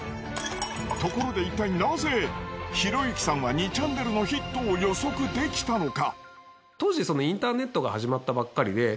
ところでいったいなぜひろゆきさんは２ちゃんねるのヒットを予測出来たのか？